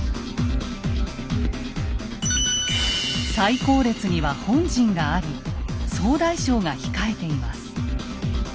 最後列には本陣があり総大将が控えています。